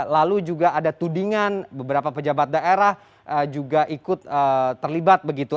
lalu juga ada tudingan beberapa pejabat daerah juga ikut terlibat begitu